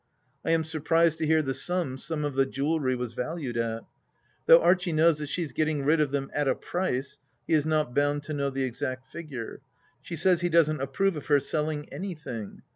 I am surprised to hear the sums some of the jewellery was valued at. Though Archie knows that she is getting rid of them at a price, he is not bound to know the exact figure. She says he doesn't approve of her selling anything.